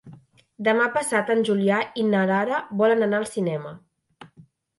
Demà passat en Julià i na Lara volen anar al cinema.